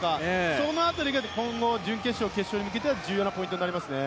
その辺りが今後、準決勝、決勝に向けては重要になりますね。